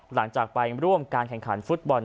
หลังจากไปร่วมการแข่งขันฟุตบอล